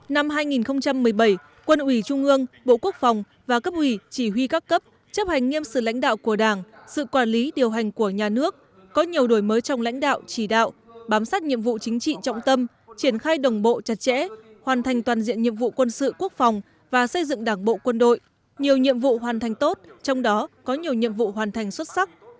năm hai nghìn một mươi bảy quân ủy trung ương bộ quốc phòng và cấp ủy chỉ huy các cấp chấp hành nghiêm sự lãnh đạo của đảng sự quản lý điều hành của nhà nước có nhiều đổi mới trong lãnh đạo chỉ đạo bám sát nhiệm vụ chính trị trọng tâm triển khai đồng bộ chặt chẽ hoàn thành toàn diện nhiệm vụ quân sự quốc phòng và xây dựng đảng bộ quân đội nhiều nhiệm vụ hoàn thành tốt trong đó có nhiều nhiệm vụ hoàn thành xuất sắc